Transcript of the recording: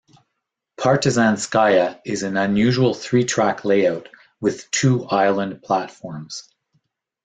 Partizanskaya is an unusual three-track layout with two island platforms.